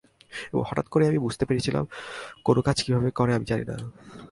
এবং হঠাৎ করেই আমি বুঝতে পেরেছিলাম কোনো কাজ কীভাবে করে আমি জানি না।